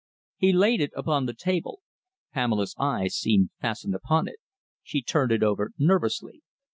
He laid it upon the table. Pamela's eyes seemed fastened upon it. She turned it over nervously.